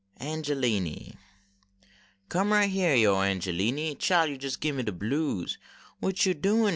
ANGELINY Come right hyar yo Angeliny ; Chile, yo jes gib me de blues, What yo doin